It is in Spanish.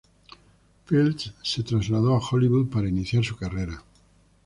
Fields se trasladó a Hollywood para iniciar su carrera.